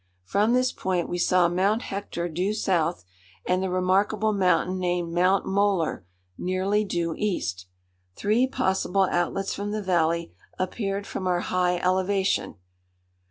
From this point we saw Mount Hector due south, and the remarkable mountain named Mount Molar, nearly due east. Three possible outlets from the valley appeared from our high elevation.